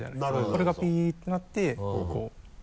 これがピッてなってこう剥ける。